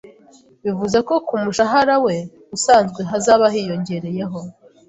bivuze ko ku mushahara we usanzwe hazaba hiyongereyeho